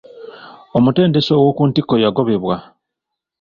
Omutendesi owokuntikko yagobebwa.